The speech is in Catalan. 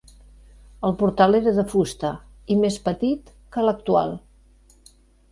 El portal era de fusta i més petit que l'actual.